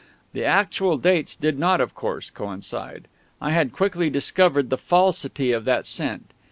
The actual dates did not, of course, coincide I had quickly discovered the falsity of that scent.